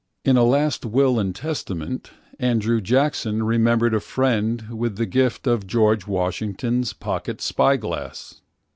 In a last will and testament Andrew Jacksonremembered a friend with the gift of GeorgeWashington's pocket spy glass.